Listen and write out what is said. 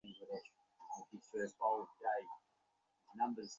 আর বেশির ভাগ ক্ষেত্রে স্বামীরাই স্ত্রীদের ওপর নির্যাতন চালান।